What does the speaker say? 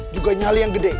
juga nyali yang gede